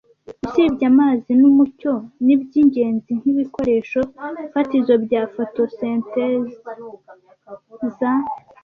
Usibye amazi numucyo nibyingenzi nkibikoresho fatizo bya fotosintezeza